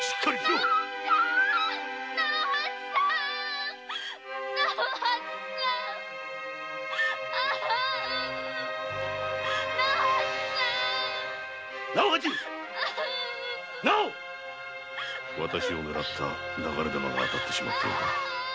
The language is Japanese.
わたしを狙った流れ弾が当たってしまったようだ。